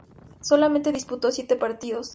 Solamente disputó siete partidos.